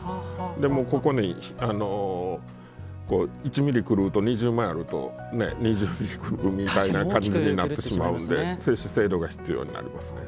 ここに１ミリ狂うと２０枚あると２０ミリ狂うみたいな感じになってしまうんで精度が必要になりますね。